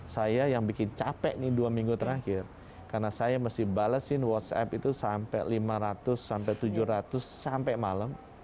saya yang bikin capek nih dua minggu terakhir karena saya mesti balesin whatsapp itu sampai lima ratus sampai tujuh ratus sampai malam